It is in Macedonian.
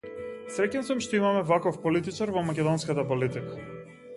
Среќен сум што имаме ваков политичар во македонската политика.